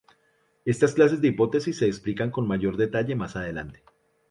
Estas clases de hipótesis se explican con mayor detalle más adelante.